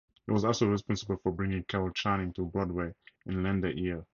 He was also responsible for bringing Carol Channing to Broadway in "Lend an Ear!".